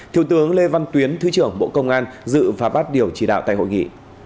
thiếu tướng lê văn tuyến thứ trưởng bộ công an dự và bắt điều chỉ đạo tại hội nghị